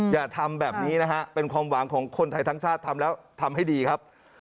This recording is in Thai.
อย่าทำแบบนี้นะฮะเป็นความหวังของคนไทยทั้งชาติทำแล้วทำให้ดีครับ